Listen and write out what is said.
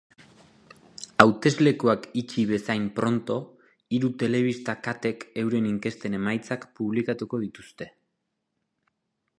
Hauteslekuak itxi bezain pronto, hiru telebista-katek euren inkesten emaitzak publikatuko dituzte.